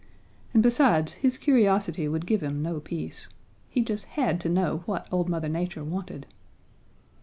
And besides, his curiosity would give him no peace. He just had to know what old Mother Nature wanted.